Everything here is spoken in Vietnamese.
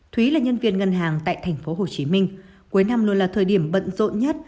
thúy là nhân viên ngân hàng tại tp hcm cuối năm luôn là thời điểm bận rộn nhất